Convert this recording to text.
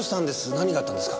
何があったんですか？